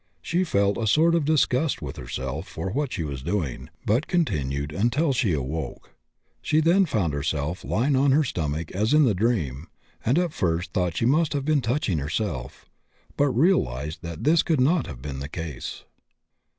she felt a sort of disgust with herself for what she was doing, but continued until she awoke; she then found herself lying on her stomach as in the dream and at first thought she must have been touching herself, but realized that this could not have been the case.